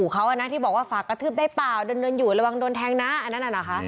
คราวเข้านะที่บอกว่าฝากกระทืบได้ป่าวดนอยู่ระวังโดนแทงน้ำนั่นอะคะ